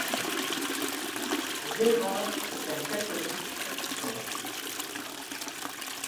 Gerrard est un catholique pratiquant.